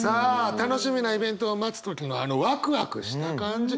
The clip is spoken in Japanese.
楽しみなイベントを待つ時のあのワクワクした感じ。